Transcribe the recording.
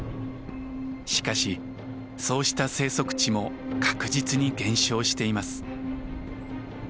しかしそうした生息地も確実に減少しています。